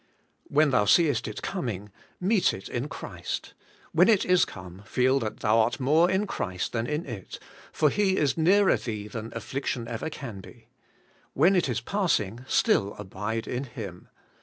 When thou seest it coming, meet it in Christ; when it is come, feel that thon art more in Christ than in it, for He is nearer thee than affliction ever can be; when it is passing, still abide in Him.